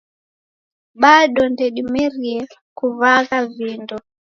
Bado ndedimerie kuw'agha vindo